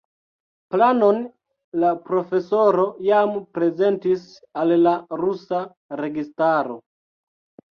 Planon la profesoro jam prezentis al la rusa registaro.